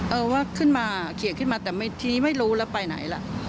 เออว่าขึ้นมาเขียนขึ้นมาแต่ทีนี้ไม่รู้แล้วไปไหนล่ะ